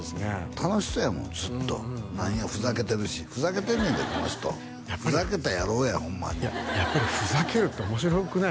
楽しそうやもんずっと何やふざけてるしふざけてんねんでこの人ふざけた野郎やホンマにやっぱりふざけるって面白くない？